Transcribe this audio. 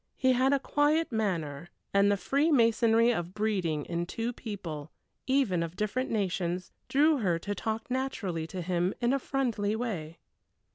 He had a quiet manner, and the freemasonry of breeding in two people, even of different nations, drew her to talk naturally to him in a friendly way.